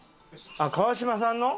あっ川島さんの？